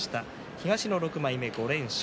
東の６枚目５連勝。